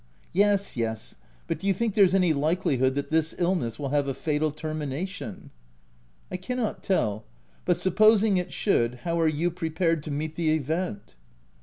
'* "Yes, yes— but do you think there's any likelihood that this illness will have a fatal ter mination ?"" I cannot tell ; but, supposing it should, how are you prepared to meet the event?''